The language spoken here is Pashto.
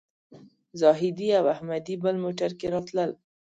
زاهدي او احمدي بل موټر کې راتلل.